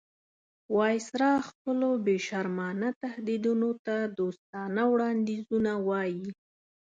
وایسرا خپلو بې شرمانه تهدیدونو ته دوستانه وړاندیزونه وایي.